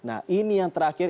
nah ini yang terakhir